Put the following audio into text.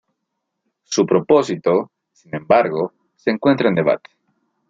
Su propósito, sin embargo, se encuentra en debate.